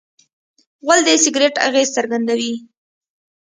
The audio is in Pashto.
غول د سګرټ اغېز څرګندوي.